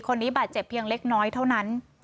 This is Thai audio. คนนี้บาดเจ็บเพียงเล็กน้อยเท่านั้น